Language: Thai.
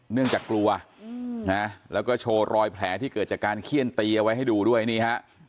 เนื่องจากกลัวนะแล้วก็โชว์รอยแผลที่เกิดจากการเขี้ยนตีเอาไว้ให้ดูด้วยนี่ฮะ